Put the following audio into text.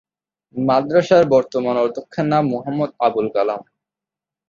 মাদ্রাসার বর্তমান অধ্যক্ষের নাম মুহাম্মদ আবুল কালাম।